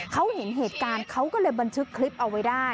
เขาเห็นเหตุการณ์เขาก็เลยบันทึกคลิปเอาไว้ได้